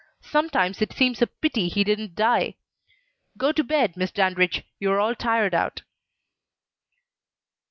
Sometimes it seems a pity he didn't die. Go to bed, Miss Dandridge! you are all tired out."